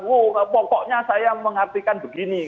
oh pokoknya saya mengartikan begini